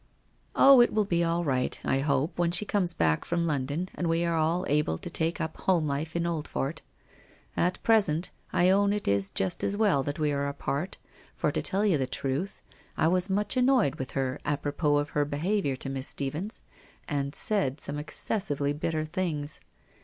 ' Oh, it will be all right, I hope, when she comes back from London and we are able to take up home life in Oldfort. At present, I own it is just as well that we are apart, for to tell you the truth, I was much annoyed with her apropos of her behaviour to Miss Stephens, and said some excessively bitter things.